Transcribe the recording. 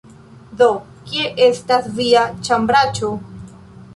Do, kie estas via ĉambraĉo?